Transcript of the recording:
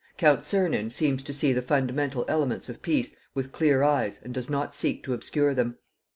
"Count Czernin seems to see the fundamental elements of peace with clear eyes and does not seek to obscure them.